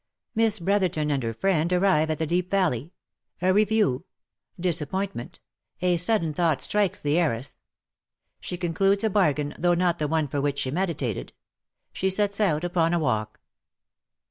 MISS BROTHERTON AND HER FRIEND ARRIVE AT THE DEEP VALLEY A REVIEW — DISAPPOINTMENT " A SUDDEN THOUGHT STRIKES" THE HEIRESS — SHE CONCLUDES A BARGAIN, THOUGH NOT THE ONE TOR WHICH SHE MEDITATED SHE SETS OUT UPON A WALK.